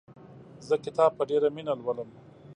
زه کتاب په ډېره مینه لولم.